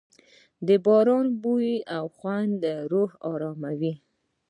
د باران بوی او خوند روحي آرام ورکوي.